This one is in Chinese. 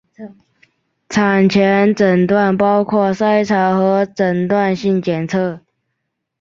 产前诊断包括筛查和诊断性检测。